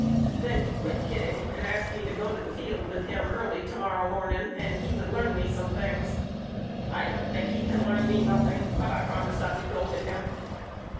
Then he quit kidding and asked me to go to the field with him early to morrow morning and he would learn me some things. I don't think he can learn me nothing but I prom ised I would go with him.